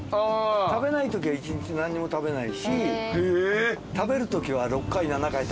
食べないときは一日何にも食べないし食べるときは６回７回食べるし。